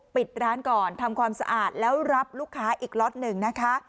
ปิดร้านก่อนทำความสะอาดแล้วรับลูกค้าอีกล็อตหนึ่งนะคะ